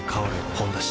「ほんだし」